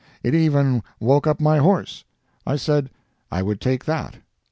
It even woke up my horse. I said I would take that.